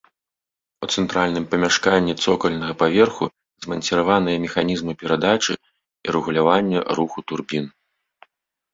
У цэнтральным памяшканні цокальнага паверху зманціраваныя механізмы перадачы і рэгулявання руху турбін.